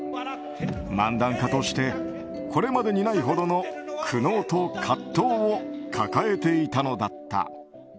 漫談家としてこれまでにないほどの苦悩と葛藤を抱えていたのだった。